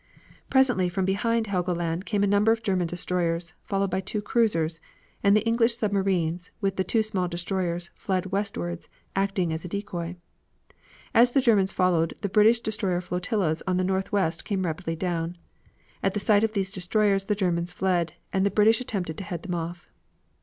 Presently from behind Helgoland came a number of German destroyers, followed by two cruisers; and the English submarines, with the two small destroyers, fled westwards, acting as a decoy. As the Germans followed, the British destroyer flotillas on the northwest came rapidly down. At the sight of these destroyers the German destroyers fled, and the British attempted to head them off.